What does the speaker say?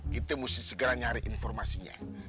kita mesti segera nyari informasinya